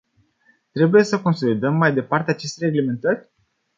Trebuie să consolidăm mai departe aceste reglementări?